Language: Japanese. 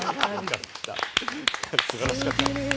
素晴らしかった！